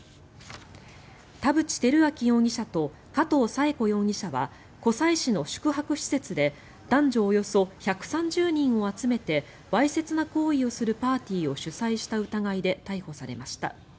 田渕照明容疑者と加藤砂恵子容疑者は湖西市の宿泊施設で男女およそ１３０人を集めてわいせつな行為をするパーティーを主催した疑いで逮捕されました。